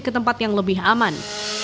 ke tempat yang lebih aman